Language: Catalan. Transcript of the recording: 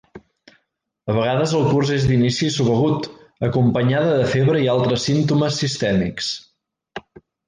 A vegades el curs és d’inici subagut, acompanyada de febre i altres símptomes sistèmics.